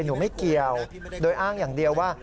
หนูไม่เกี่ยวโดยอ้างอย่างเดียวว่า